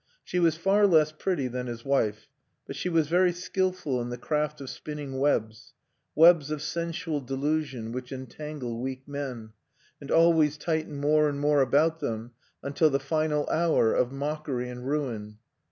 She was far less pretty than his wife; but she was very skillful in the craft of spinning webs, webs of sensual delusion which entangle weak men; and always tighten more and more about them until the final hour of mockery and ruin.